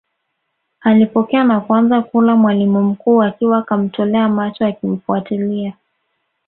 Alipokea na kuanza kula mwalimu mkuu akiwa kamtolea macho akimfuatilia